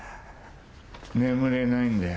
眠れないんだよ。